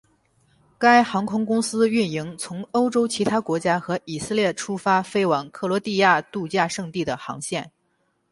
该航空公司运营从欧洲其他国家和以色列出发飞往克罗地亚度假胜地的航线。